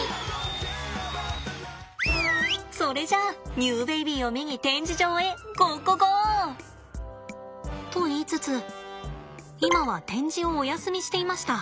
それじゃあニューベイビーを見に展示場へゴーゴゴー！と言いつつ今は展示をお休みしていました。